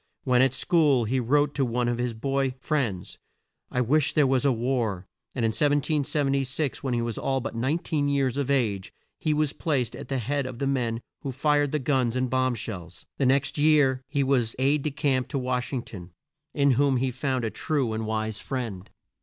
When at school he wrote to one of his boy friends, "I wish there was a war;" and in 1776 when he was but 19 years of age, he was placed at the head of the men who fired the guns and bomb shells. The next year he was aide de camp to Wash ing ton, in whom he found a true and wise friend.